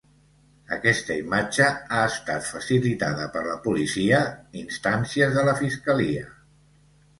Aquesta imatge ha estat facilitada per la policia instàncies de la fiscalia.